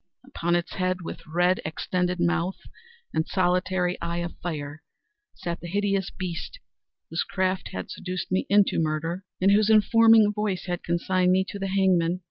Upon its head, with red extended mouth and solitary eye of fire, sat the hideous beast whose craft had seduced me into murder, and whose informing voice had consigned me to the hangman.